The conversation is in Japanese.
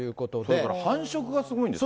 それから繁殖がすごいんですよ。